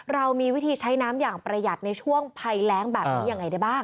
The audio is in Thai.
เรามีวิธีใช้น้ำอย่างประหยัดในช่วงภัยแรงแบบนี้ยังไงได้บ้าง